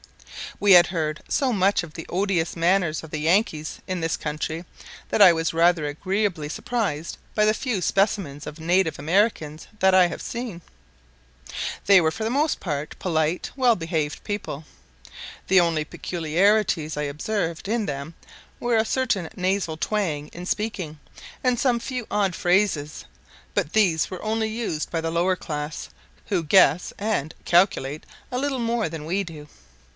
We had heard so much of the odious manners of the Yankees in this country that I was rather agreeably surprised by the few specimens of native Americans that I have seen. They were for the most part, polite, well behaved people. The only peculiarities I observed in them were a certain nasal twang in speaking, and some few odd phrases; but these were only used by the lower class, who "guess" and "calculate" a little more than we do.